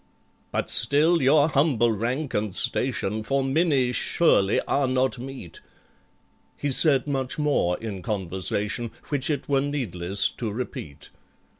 "But still your humble rank and station For MINNIE surely are not meet"— He said much more in conversation Which it were needless to repeat.